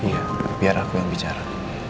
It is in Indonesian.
iya biar aku yang bicara